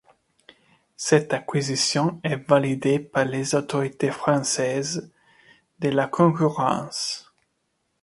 Cette acquisition est validée par les autorités françaises de la concurrence.